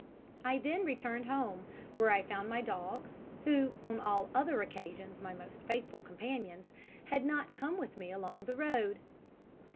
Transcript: I then returned home, where I found my dogs, who, on all other occasions my most faithful companions, had not come with me along the road.